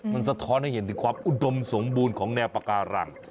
มันสะท้อนให้เห็นถึงความอุดมสมบูรณ์ของแนวปาการัง